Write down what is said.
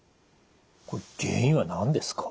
これ原因は何ですか？